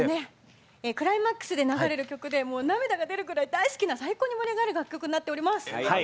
クライマックスで流れる曲で涙が出るぐらい大好きな最高に盛り上がる楽曲になっております。